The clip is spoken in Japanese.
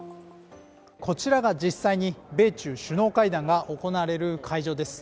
こちらが実際に米中首脳会談が行われる会場です。